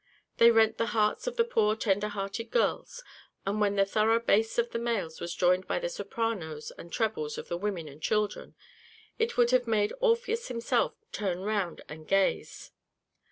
They rent the hearts of the poor tender hearted girls; and when the thorough bass of the males was joined by the sopranos and trebles of the women and children, it would have made Orpheus himself turn round and gaze.